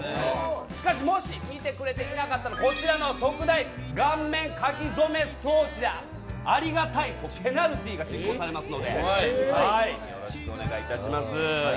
しかしもし見てくれてなかったらこちらの特大顔面書き初め装置でありがたいペナルティーが執行されますのでよろしくお願いいたします。